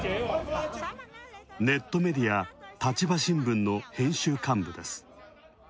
ネットメディア、立場新聞の編集幹部です。